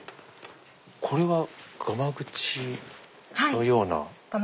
これはがまぐちのような。